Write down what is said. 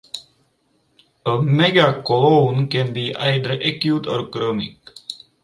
A megacolon can be either acute or chronic.